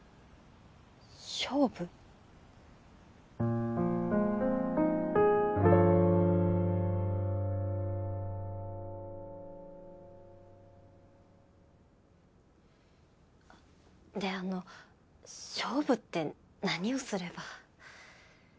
勝負？であの勝負って何をすれば？